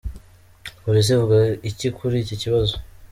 Polisi ivuga iki kuri iki kibazo?.